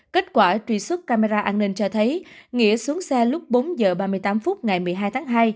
kết quả truy xuất camera an ninh cho thấy nghĩa xuống xe lúc bốn h ba mươi tám phút ngày một mươi hai tháng hai